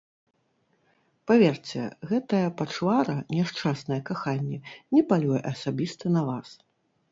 Паверце, гэтая пачвара, няшчаснае каханне, не палюе асабіста на вас!